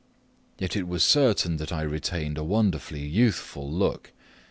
Yet it was certain that I retained a wonderfully youthful look.